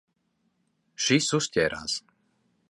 Šis uzķērās.